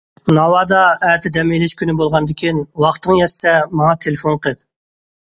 ناۋادا، ئەتە دەم ئېلىش كۈنى بولغاندىكىن ۋاقتىڭ يەتسە ماڭا تېلېفون قىل!